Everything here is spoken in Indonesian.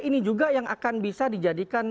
ini juga yang akan bisa dijadikan